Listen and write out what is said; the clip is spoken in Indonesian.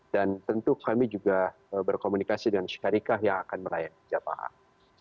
dan tentu kami juga berkomunikasi dengan syarikat yang akan melayan jembat haji